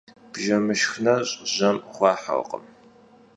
Bjjemışşx neş' jem xuahırkhım.